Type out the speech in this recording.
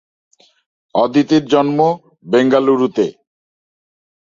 অদিতির জন্ম বেঙ্গালুরুতে।